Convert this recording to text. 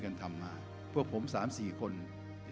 เพราะฉะนั้นเราทำกันเนี่ย